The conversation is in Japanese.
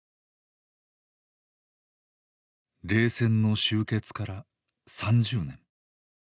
冷戦の終結から３０年。